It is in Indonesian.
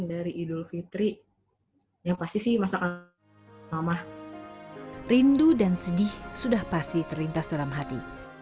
dari idul fitri yang pasti sih masakan mamah rindu dan sedih sudah pasti terlintas dalam hati